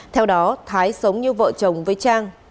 theo đó thái sống như vợ chồng với trang